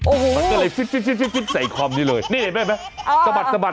โอ้โหมันก็เลยฟิตใส่คอมนี้เลยนี่เห็นไหมสะบัดสะบัด